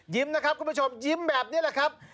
นะครับคุณผู้ชมยิ้มแบบนี้แหละครับ